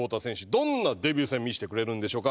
どんなデビュー戦見せてくれるんでしょうか？